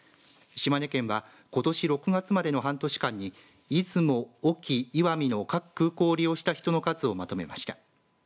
島根県はことし６月までの半年間に出雲、隠岐、石見の各空港を利用した人の数をまとめました。